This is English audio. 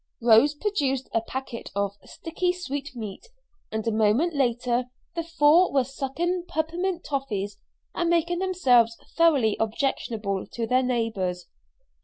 Rose produced a packet of sticky sweetmeat, and a moment later the four were sucking peppermint toffee and making themselves thoroughly objectionable to their neighbors.